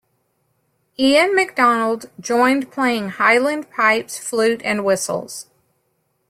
Iain MacDonald joined playing highland pipes, flute, and whistles.